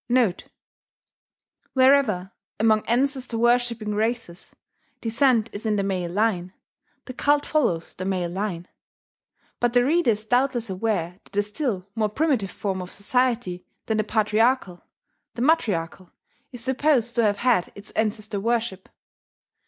* [*Wherever, among ancestor worshipping races, descent is in the male line, the cult follows the male line. But the reader is doubtless aware that a still more primitive form of society than the patriarchal the matriarchal is supposed to have had its ancestor worship.